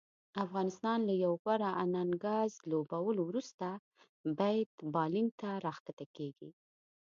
افغانستان له یو غوره اننګز لوبولو وروسته بیت بالینګ ته راښکته کیږي